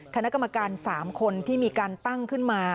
คณะกรรมการ๓คนที่มีการตั้งขึ้นมา